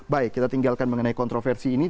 baik kita tinggalkan mengenai kontroversi ini